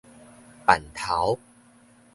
扮頭